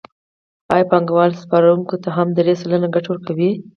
آیا بانکوال سپارونکو ته هم درې سلنه ګټه ورکوي